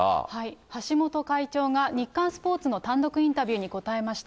橋本会長が日刊スポーツの単独インタビューに答えました。